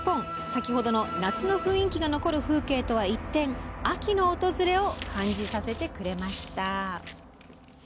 先ほどの夏の雰囲気が残る風景とは一転秋の訪れを感じさせてくれました。